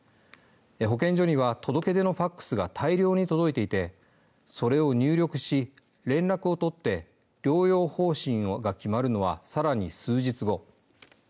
保健所には届け出のファックスが大量に届いていてそれを入力し、連絡を取って療養方針が決まるのはさらに数日後。